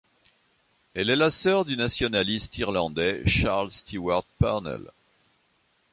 Elle est la sœur du nationaliste irlandais Charles Stewart Parnell.